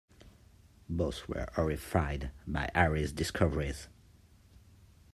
Both were horrified by Harry's discoveries.